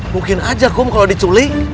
mungkin aja kom kalau diculik